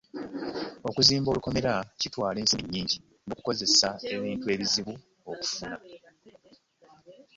Okuzimba olukomera kitwala ensimbi nnyingi n'okukozesa ebintu ebizibu okufuna.